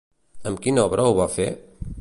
Amb quina obra ho va fer?